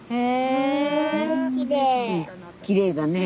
きれいだね。